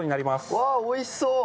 うわあ、おいしそう。